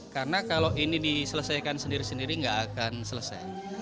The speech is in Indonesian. karena kalau ini diselesaikan sendiri sendiri nggak akan selesai